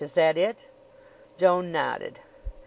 Is that it?" Joan nodded.